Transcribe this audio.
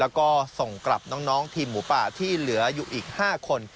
แล้วก็ส่งกลับน้องทีมหมูป่าที่เหลืออยู่อีก๕คน